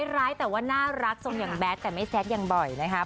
ร้ายแต่ว่าน่ารักทรงอย่างแบทแต่ไม่แซคอย่างบ่อยนะครับ